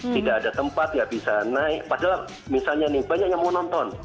tidak ada tempat ya bisa naik padahal misalnya nih banyak yang mau nonton